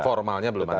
formalnya belum ada